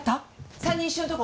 ３人一緒のとこ？